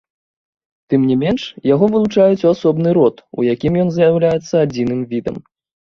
Тым не менш, яго вылучаюць у асобны род, у якім ён з'яўляецца адзіным відам.